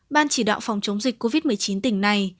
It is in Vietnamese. ban chỉ đạo phòng chống dịch covid một mươi chín tỉnh này